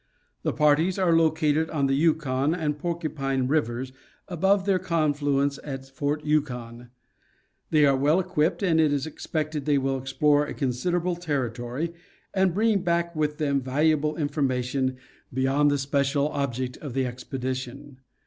The parties are located on the Yukon and Porcupine rivers above their confluence at Ft. Yukon. They are well equipped, and it is expected they will explore a consider able territory and, bring back with them valuable information be yond the special object of the expedition.